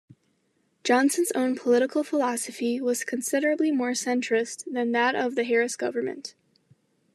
Johnson's own political philosophy was considerably more centrist than that of the Harris government.